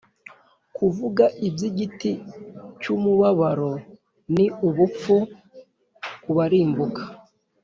Kuvuga iby igiti cy umubabaro ni ubupfu l ku barimbuka